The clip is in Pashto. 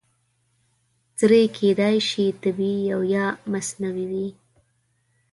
سرې کیدای شي طبیعي او یا مصنوعي وي.